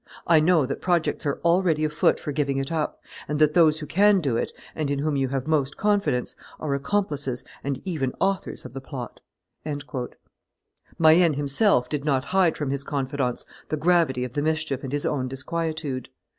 I know that projects are already afoot for giving it up, and that those who can do it, and in whom you have most confidence, are accomplices and even authors of the plot." Mayenne himself did not hide from his confidants the gravity of the mischief and his own disquietude.